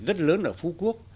rất lớn ở phú quốc